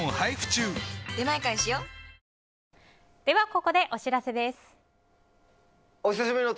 ここでお知らせです。